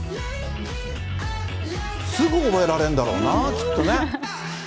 すぐ覚えられるんだろうな、きっとね。